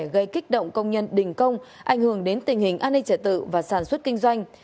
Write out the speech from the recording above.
gây kích động công nhân đình công ảnh hưởng đến tình hình an ninh trả tự và sản xuất kinh doanh